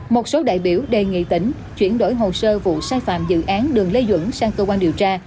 một số đại biểu đề nghị tỉnh chuyển đổi hồ sơ vụ sai phạm dự án đường lê duẩn sang cơ quan điều tra